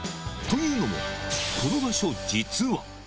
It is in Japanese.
というのも、この場所、実は。